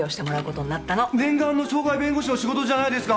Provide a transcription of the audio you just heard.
念願の渉外弁護士の仕事じゃないですか！